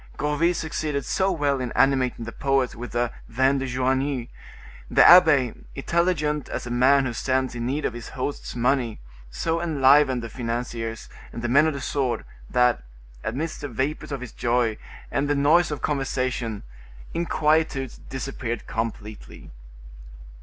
Gourville succeeded so well in animating the poets with the vin de Joigny; the abbe, intelligent as a man who stands in need of his host's money, so enlivened the financiers and the men of the sword, that, amidst the vapors of this joy and the noise of conversation, inquietudes disappeared completely.